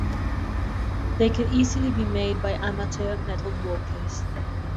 They could easily be made by amateur metalworkers.